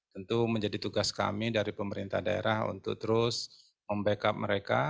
tentu menjadi tugas kami dari pemerintah daerah untuk terus membackup mereka